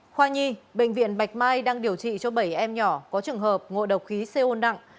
khoa nhi bệnh viện bạch mai đang điều trị cho bảy em nhỏ có trường hợp ngộ độc khí co nặng